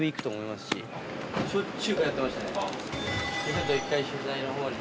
ちょっと１回取材の方に。